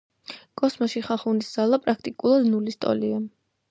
კოსმოსში ხახუნის ძალა პრაქტიკულად ნულის ტოლია